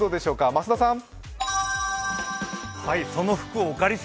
増田さん。